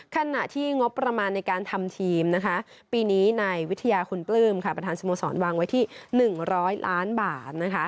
ขณะที่งบประมาณในการทำทีมปีนี้ในวิทยาคุณปลื้มประธานสโมสรวางไว้ที่๑๐๐ล้านบาท